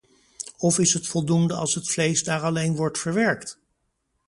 Of is het voldoende als het vlees daar alleen wordt verwerkt?